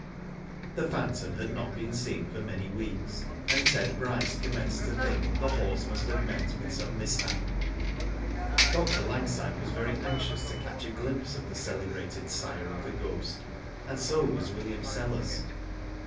The phantom had not been seen for many weeks, and Ted Bryce commenced to think the horse must have met with some mishap. Dr. Langside was very anxious to catch a glimpse of the celebrated sire of The Ghost, and so was William Sellers.